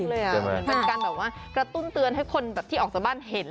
เป็นการกระตุ้นเตือนให้คนที่ออกจากบ้านเห็น